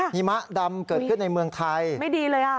ฮิมะดำเกิดขึ้นในเมืองไทย